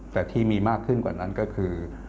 แต่ที่มีมากขึ้นกว่านั้นก็คือ